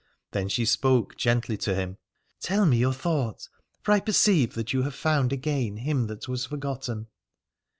Then she spoke gently to him : Tell me your thought, for I perceive that you have found again him that was for gotten.